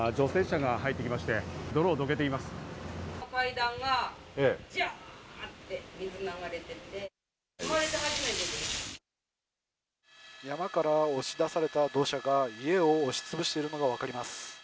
今、車が入ってきまして、山から押し出された土砂が家を押しつぶしているのがわかります。